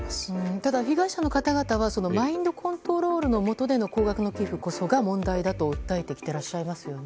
ただ、被害者の方々はマインドコントロールの下での高額の寄付こそが問題だと訴えてきていらっしゃいますよね。